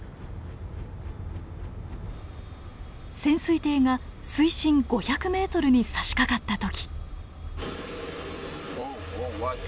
潜水艇が水深５００ｍにさしかかった時。